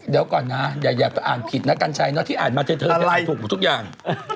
เดี๋ยวก่อนนะอย่าอ่านผิดนะกัญชัยที่อ่านมาเท่าถูกกว่าทุกอย่าง